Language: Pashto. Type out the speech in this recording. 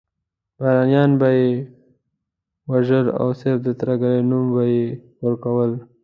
بهرنیان به یې وژل او صرف د ترهګرۍ نوم به یې ورکول.